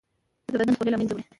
پیاز د بدن خولې له منځه وړي